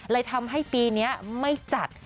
เลยทำให้ปีนี้ไม่จัด